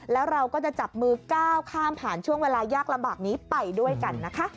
แล้วเราก็จะจับมือก้าวข้ามผ่านช่วงเวลายากลำบากนี้ไปด้วยกันนะคะ